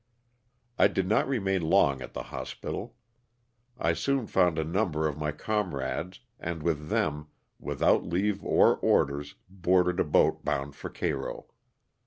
I did not remain long at the hospital. I soon found a number of my comrades, and with them, without leave or orders, boarded a boat bound for Cairo.